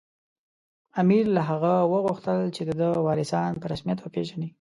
امیر له هغه وغوښتل چې د ده وارثان په رسمیت وپېژني.